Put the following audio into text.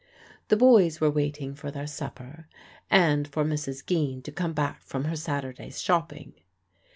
The boys were waiting for their supper, and for Mrs. Geen to come back from her Saturday's shopping.